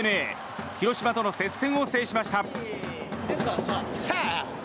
広島との接戦を制しました。